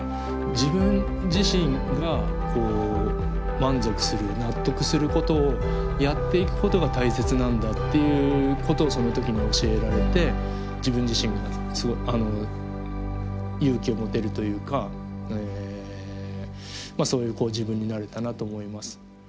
自分自身が満足する納得することをやっていくことが大切なんだっていうことをその時に教えられて自分自身が勇気を持てるというかそういう自分になれたなと思います。